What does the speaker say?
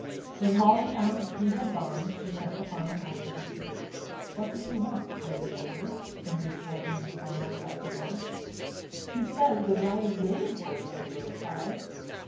When Molly found that he had gone, she sent the farmer after him. "What does he want?" cried the Ogre, when they told him the farmer was at the door. "He says the bride is waiting for you," was the reply.